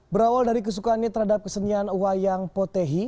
berawal dari kesukaannya terhadap kesenian wayang potehi